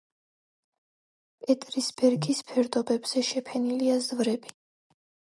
პეტრისბერგის ფერდობებზე შეფენილია ზვრები.